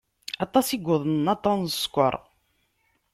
Aṭas i yuḍnen aṭṭan n sskeṛ.